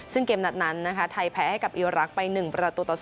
ซึ่งเกมนัดนั้นนะคะไทยแพ้ให้กับอิรักษ์ไป๑ประตูต่อ๐